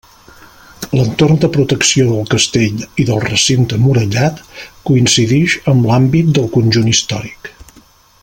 L'entorn de protecció del castell i del recinte murallat coincidix amb l'àmbit del conjunt històric.